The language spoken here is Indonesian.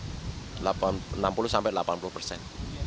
enam puluh sampai delapan puluh persen